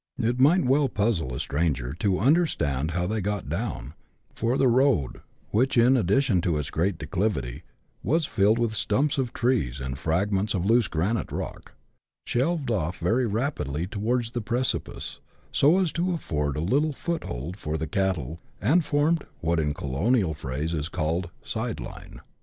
It might well puzzle a stranger to understand how they got down, for the road, which, in addition to its great declivity, was filled with stumps of trees and fragments of loose granite rock, shelved off very rapidly towards the precipice, so as to afford little foot hold for the cattle, and formed, what, in colonial phrase, is called a " side line."